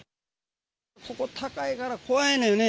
ここ高いから怖いのよね。